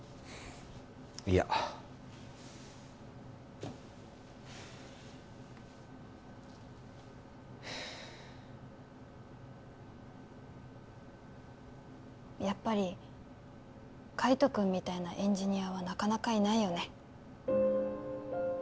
いややっぱり海斗君みたいなエンジニアはなかなかいないよね